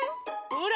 ほら！